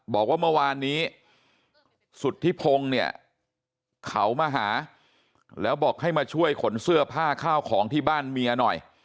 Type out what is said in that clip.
บอกว่าเมื่อวานนี้สุธิพงศ์เนี่ยเขามาหาแล้วบอกให้มาช่วยขนเสื้อผ้าข้าวของที่บ้านเมียหน่อย